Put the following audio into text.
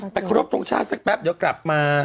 ครบทรงชาติสักแป๊บเดี๋ยวกลับมา